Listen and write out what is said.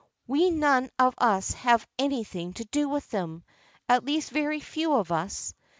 We none of us have any thing to do with them, at least very few of us.